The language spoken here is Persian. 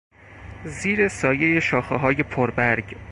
زیر سایهی شاخههای پربرگ